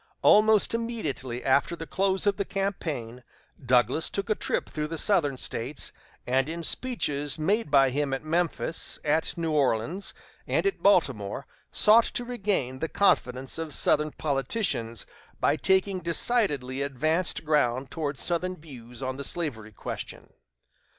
Almost immediately after the close of the campaign Douglas took a trip through the Southern States, and in speeches made by him at Memphis, at New Orleans, and at Baltimore sought to regain the confidence of Southern politicians by taking decidedly advanced ground toward Southern views on the slavery question.